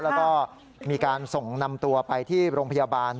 แล้วก็มีการส่งนำตัวไปที่โรงพยาบาล